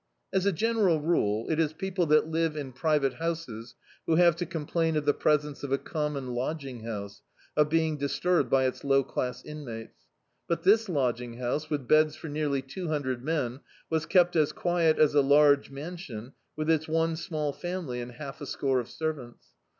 As a general rule it is people that live in private houses who have to complain of the presence of a common lod^ng house, of being disturbed by its low class inmates; but this lodging house, with beds for nearly two himdrcd men, was kept as quiet as a large mansion with its one small family and half a score of servants.